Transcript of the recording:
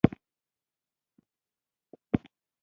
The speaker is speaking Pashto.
ټیلګرام لیسټرډ ورته رالیږلی و.